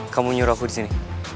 kamu nyuruh aku di sini